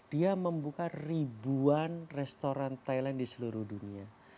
dia membuka ribuan restoran thailand di seluruh dunia